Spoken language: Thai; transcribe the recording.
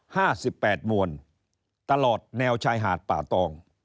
ห้าสิบแปดมวลตลอดแนวชายหาดป่าตอง